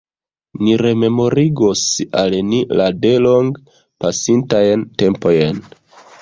Ni rememorigos al ni la de longe pasintajn tempojn.